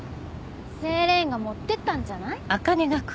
セイレーンが持ってったんじゃない？